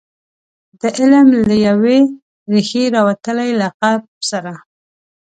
د علم له یوې ریښې راوتلي لقب سره.